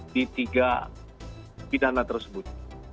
di tiga pidana tersebut